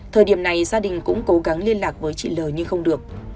thời điểm này gia đình cũng cố gắng liên lạc với chị l nhưng không được